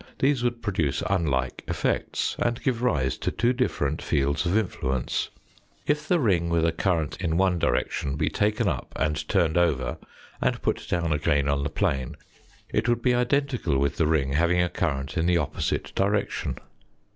These would produce unlike effects, and give rise to two different fields of influence. If the THE SIGNIFICANCE OF A FOUR DIMENSIONAL EXISTENCE 17 ring with a current in it in one direction be taken up and turned over, and put down again on the plane, it would be identical with the ring having a current in the opposite direction.